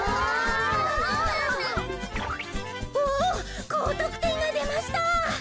おこうとくてんがでました。